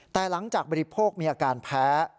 แต่หลังจากบริโภคมีอาการแพ้